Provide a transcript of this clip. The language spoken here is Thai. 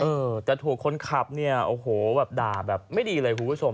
เออแต่ถูกคนขับเนี่ยโอ้โหแบบด่าแบบไม่ดีเลยคุณผู้ชม